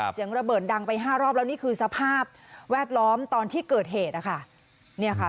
เสียงระเบิดดังไปห้ารอบแล้วนี่คือสภาพแวดล้อมตอนที่เกิดเหตุนะคะเนี่ยค่ะ